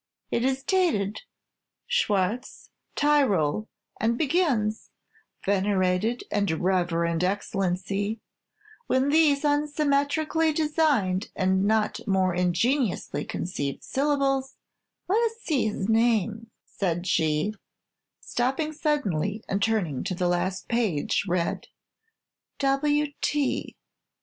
"It is dated Schwats, Tyrol, and begins: 'Venerated and Reverend Excellency, when these unsymmetrically designed, and not more ingeniously conceived syllables ' Let us see his name," said she, stop ping suddenly, and turning to the last page, read, "'W. T.